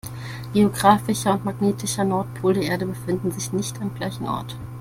Geographischer und magnetischer Nordpol der Erde befinden sich nicht am gleichen Ort.